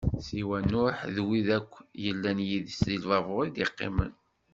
Siwa Nuḥ d wid akk yellan yid-s di lbabuṛ i d-iqqimen.